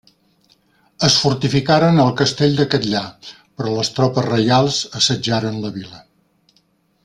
Es fortificaren al castell de Catllar però les tropes reials assetjaren la vila.